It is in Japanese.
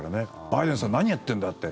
バイデンさん何やってんだって。